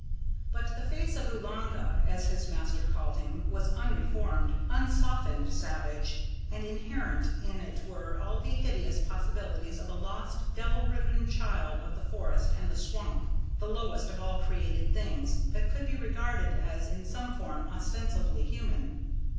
But the face of Oolanga, as his master called him, was unreformed, unsoftened savage, and inherent in it were all the hideous possibilities of a lost, devil ridden child of the forest and the swamp the lowest of all created things that could be regarded as in some form ostensibly human.